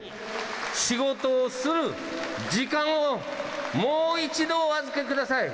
仕事をする時間をもう一度お預けください。